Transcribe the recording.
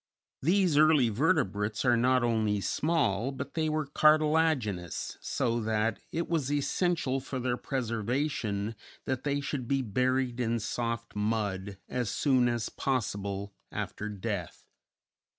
These early vertebrates are not only small, but they were cartilaginous, so that it was essential for their preservation that they should be buried in soft mud as soon as possible after death.